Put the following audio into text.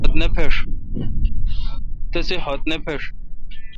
تسےخط نے پھݭ۔